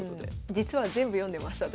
実は全部読んでます私。